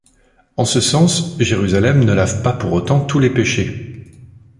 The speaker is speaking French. En ce sens, Jérusalem ne lave pas pour autant tous les péchés.